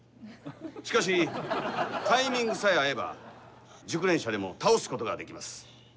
しかしタイミングさえ合えば熟練者でも倒すことができます。